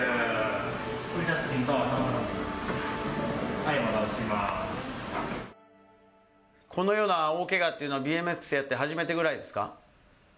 はい、このような大けがっていうのは、ＢＭＸやって初めてぐらいですか？